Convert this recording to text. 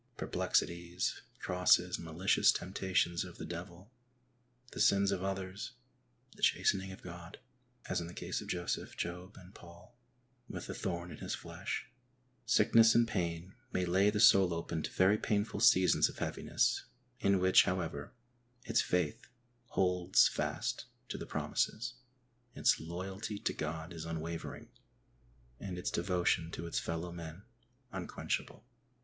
Perplexities, crosses, malicious temptations of the devil, the sins of others, the chastening of God (as in the case of Joseph, Job and Paul with the " thorn in his flesh"), sickness and pain may lay the soul open to very painful seasons of heaviness, in which, however, its faith holds fast to the promises, its loyalty to God is unwavering, and its devotion to its fellow men unquenchable.